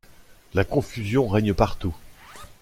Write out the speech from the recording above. La confusion règne partout.